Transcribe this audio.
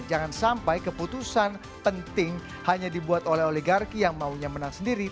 jangan sampai keputusan penting hanya dibuat oleh oligarki yang maunya menang sendiri